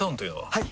はい！